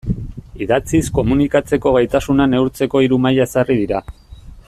Idatziz komunikatzeko gaitasuna neurtzeko hiru maila ezarri dira.